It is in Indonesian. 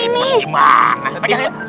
ini mau gimana